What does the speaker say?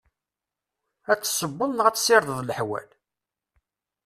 Ad tessewweḍ neɣ ad tessirdeḍ leḥwal?